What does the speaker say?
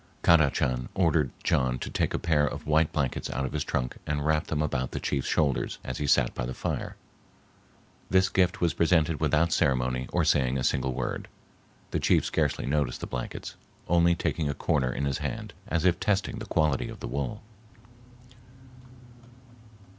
Kadachan ordered John to take a pair of white blankets out of his trunk and wrap them about the chief's shoulders, as he sat by the fire. This gift was presented without ceremony or saying a single word. The chief scarcely noticed the blankets, only taking a corner in his hand, as if testing the quality of the wool.